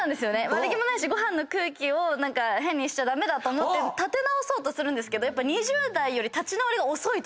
悪気もないしご飯の空気を変にしちゃ駄目だと思って立て直そうとするんですけど。